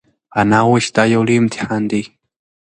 انا وویل چې دا یو لوی امتحان دی.